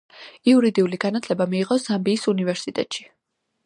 იურიდიული განათლება მიიღო ზამბიის უნივერსიტეტში.